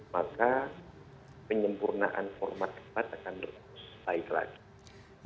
maka penyempurnaan format debat akan lebih baik lagi